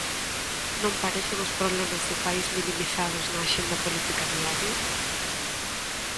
Non parecen os problemas do país minimizados na axenda política diaria?